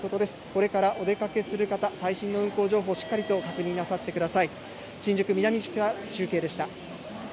これからお出かけする方、最新の運行情報をしっかりと確認なさってください。